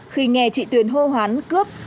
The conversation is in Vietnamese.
khi nghe chị tuyền hô hoán cướp